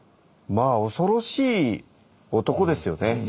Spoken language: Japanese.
まあ恐ろしい男ですよね。